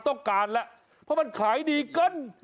ต้องการแล้วเพราะมันขายดีเกิน